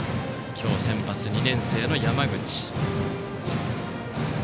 今日先発、２年生の山口。